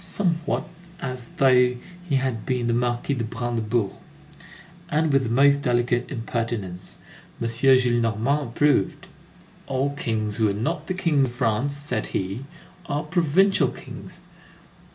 somewhat as though he had been the Marquis de Brandebourg, and with the most delicate impertinence. M. Gillenormand approved: "All kings who are not the King of France," said he, "are provincial kings."